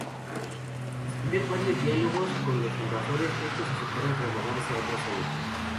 Tras sostener varios diálogos con los invasores, estos aceptaron trasladarse a otras zonas.